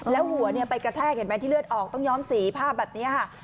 แล้วหัวไปกระแทกเห็นไหมที่เลือดออกต้องย้อมสีภาพแบบนี้ค่ะ